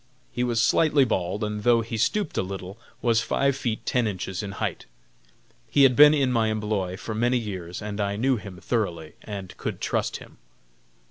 He was slightly bald, and though he stooped a little, was five feet ten inches in height. He had been in my employ for many years, and I knew him thoroughly, and could trust him.